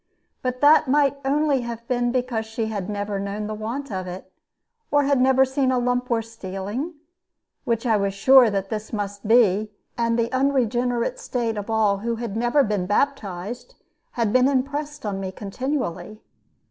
But that might only have been because she had never known the want of it, or had never seen a lump worth stealing, which I was sure that this must be; and the unregenerate state of all who have never been baptized had been impressed on me continually.